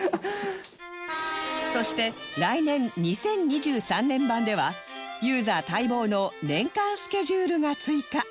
そして来年２０２３年版ではユーザー待望の年間スケジュールが追加